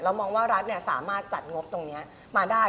มองว่ารัฐสามารถจัดงบตรงนี้มาได้